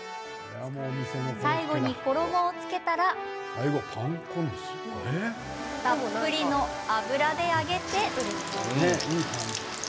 最後に、衣をつけたらたっぷりの油で揚げて。